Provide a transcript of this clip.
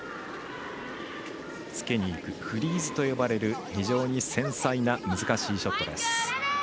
つけにいくフリーズと呼ばれる非常に繊細な難しいショットです。